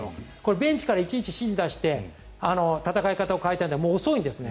ベンチからいちいち指示を出して戦い方を変えるんだと遅いんですね。